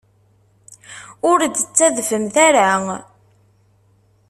Ur d-ttadfemt ara.